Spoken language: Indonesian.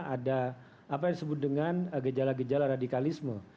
ada apa yang disebut dengan gejala gejala radikalisme